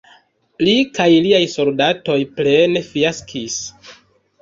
Li kaj liaj soldatoj plene fiaskis.